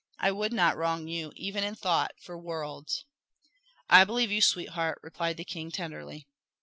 I would not wrong you, even in thought, for worlds." "I believe you, sweetheart," replied the king tenderly.